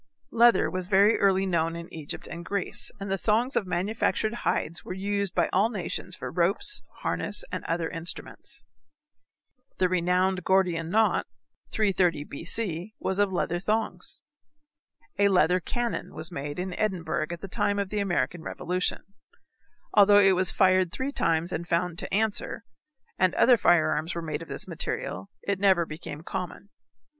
Leather was very early known in Egypt and Greece, and the thongs of manufactured hides were used by all nations for ropes, harness, and other instruments. The renowned Gordian knot, 330 B. C., was of leather thongs. A leather cannon was made in Edinburgh at the time of the American revolution. Although it was fired three times and found to answer, and other firearms were made of this material, it never became common.